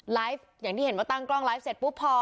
อย่างที่เห็นว่าตั้งกล้องไลฟ์เสร็จปุ๊บพอ